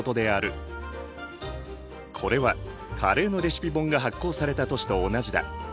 これはカレーのレシピ本が発行された年と同じだ。